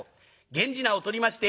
源氏名をとりまして